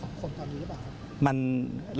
อย่างความคิดที่สามารถทำกลับควรถามมือได้แอบ